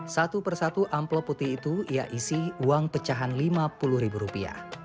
satu persatu amplop putih itu ia isi uang pecahan lima puluh ribu rupiah